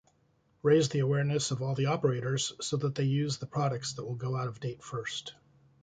Raise the awareness of all the operators so that they use the products that will go out of date first.